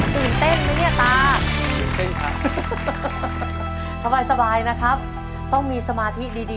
ตื่นเต้นไหมเนี่ยตาสบายนะครับต้องมีสมาธิ